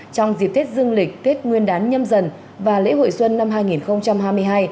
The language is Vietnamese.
trong dịp tết dương lịch tết nguyên đán nhâm dần và lễ hội xuân năm hai nghìn hai mươi hai